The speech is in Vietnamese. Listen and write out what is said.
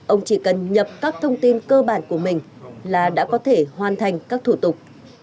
ông chỉ cần nhập các thông tin cơ bản của mình là đã có thể hoàn thành các thủ tục